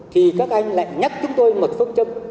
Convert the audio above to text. thì các anh lại nhắc chúng tôi một phương châm